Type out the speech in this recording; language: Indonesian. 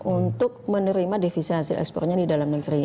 untuk menerima defisit hasil ekspornya di dalam negeri